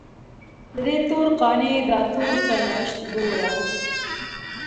ددې تور قانع داتور سرنوشت ګوره